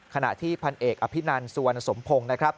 ขณะที่พันเอกอภินันสวนสมพงศ์